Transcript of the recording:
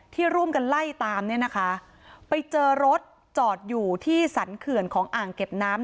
ที่ร่วมกันไล่ตามเนี่ยนะคะไปเจอรถจอดอยู่ที่สรรเขื่อนของอ่างเก็บน้ำ